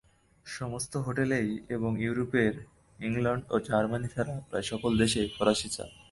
সমস্ত হোটেলেই এবং ইউরোপের ইংলণ্ড ও জার্মানী ছাড়া প্রায় সকল দেশেই ফরাসী চাল।